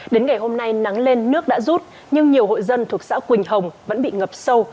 đến ngày hôm nay nắng lên nước đã rút nhưng nhiều hội dân thuộc xã quỳnh hồng vẫn bị ngập sâu